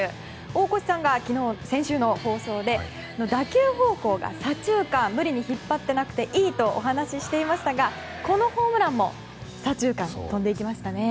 大越さんが先週の放送で打球方向が左中間、無理に引っ張っていなくていいとお話していましたがこのホームランも左中間に飛んでいきましたね。